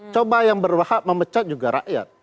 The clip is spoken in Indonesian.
coba yang berhak memecat juga rakyat